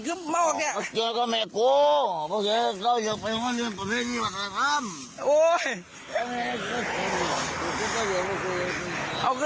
ก็เจอก็ไม่กลัวเพราะว่าเจอก็อยากไปง่อนยังประเทศนี้มาค่ะครับ